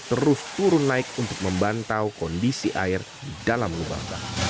terus turun naik untuk membantau kondisi air di dalam lubang